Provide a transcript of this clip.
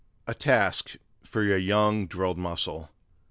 'A task for your young drilled muscle!